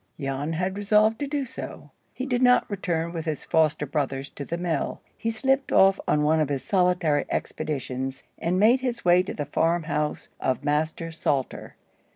Jan had resolved to do so. He did not return with his foster brothers to the mill. He slipped off on one of his solitary expeditions, and made his way to the farm house of Master Salter.